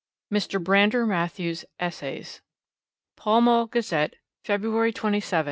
MR. BRANDER MATTHEWS' ESSAYS (Pall Mall Gazette, February 27, 1889.)